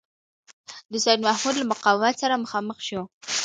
د سیدمحمود له مقاومت سره مخامخ شو.